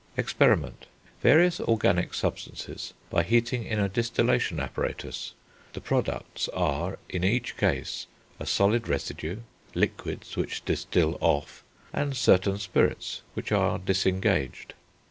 Experiment. Various organic substances are analysed by heating in a distillation apparatus; the products are, in each case, a solid residue, liquids which distil off, and certain spirits which are disengaged.